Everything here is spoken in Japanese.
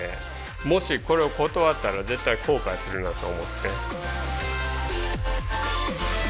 もしこれを断ったら絶対後悔するなと思って。